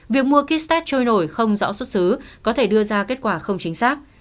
việc mua kit test trôi nổi không rõ xuất xứ có thể đưa ra kết quả không chính xác